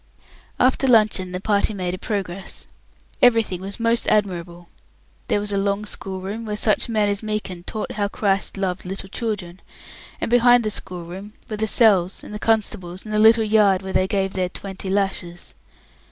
After luncheon the party made a progress. Everything was most admirable. There was a long schoolroom, where such men as Meekin taught how Christ loved little children; and behind the schoolroom were the cells and the constables and the little yard where they gave their "twenty lashes".